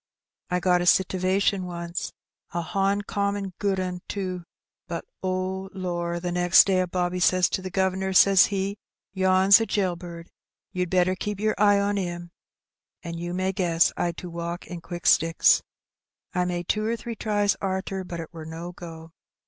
I got a sitivation once, a honcommon good 'un, too; but, oh, lor, the next day a bobby says to the guv'nor, says he, 'Yen's a jail bird, you'd better keep yer eye on 'im;' an' you may guess I'd to walk in quick sticks. I made two or three tries arter, but it wur no go.